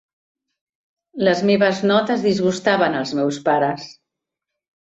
Les meves notes disgustaven als meus pares.